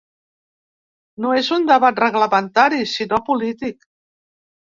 No és un debat reglamentari, sinó polític.